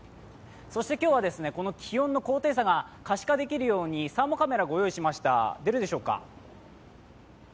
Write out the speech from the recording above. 今日はこの気温の高低差が可視化できるようにサーモカメラ、ご用意しました。